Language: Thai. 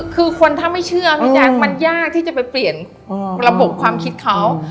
คือคนถ้าไม่เชื่อพี่แจ๊คมันยากที่จะไปเปลี่ยนระบบความคิดเขา